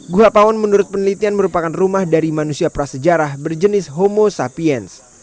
gua pawon menurut penelitian merupakan rumah dari manusia prasejarah berjenis homo sapience